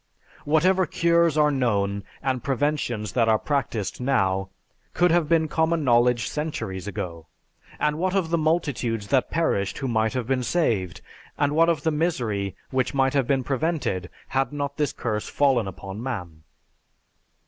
Whatever cures are known, and preventions that are practiced now, could have been common knowledge centuries ago. And what of the multitudes that perished who might have been saved, and what of the misery which might have been prevented, had not this curse fallen upon man?